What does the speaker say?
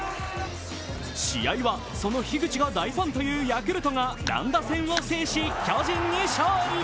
試合はその樋口が大ファンというヤクルトが乱打戦を制し巨人に勝利。